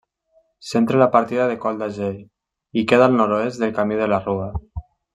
Centra la partida de Coll d'Agell, i queda al nord-oest del Camí de la Rua.